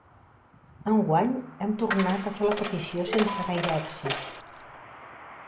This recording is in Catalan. Enguany, hem tornat a fer la petició sense gaire èxit.